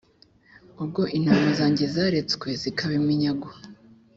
ubwo intama zanjye zaretswe zikaba iminyago